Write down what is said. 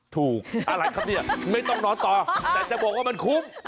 ถูกอะไรครับเนี่ยไม่ต้องนอนต่อแต่จะบอกว่ามันคุ้ม